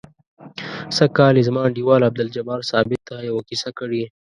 سږ کال یې زما انډیوال عبدالجبار ثابت ته یوه کیسه کړې.